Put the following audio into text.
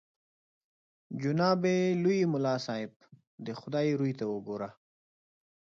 جناب لوی ملا صاحب د خدای روی ته وګوره.